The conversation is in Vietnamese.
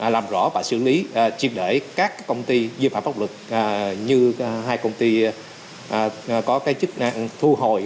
làm rõ và xử lý chiếm đẩy các công ty vi phạm pháp luật như hai công ty có cái chức năng thu hồi